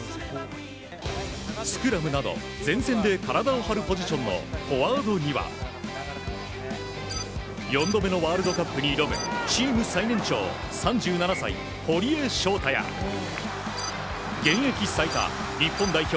スクラムなど、前線で体を張るポジションのフォワードには４度目のワールドカップに挑むチーム最年長３７歳、堀江翔太や現役最多、日本代表